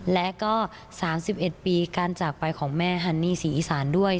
และก็๓๑ปีการจากไปของแม่ฮันนี่ศรีอีสานด้วย